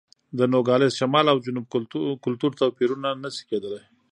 د نوګالس شمال او جنوب کلتور توپیرونه نه شي کېدای.